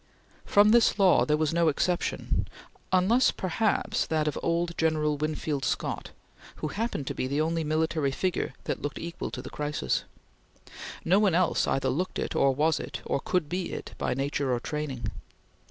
From this law there was no exception, unless, perhaps, that of old General Winfield Scott, who happened to be the only military figure that looked equal to the crisis. No one else either looked it, or was it, or could be it, by nature or training.